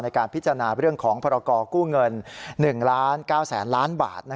ในการพิจารณาเรื่องของพรกรกู้เงิน๑ล้าน๙แสนล้านบาท